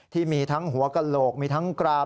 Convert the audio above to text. ที่มีทั้งหัวกระโหลกมีทั้งกราม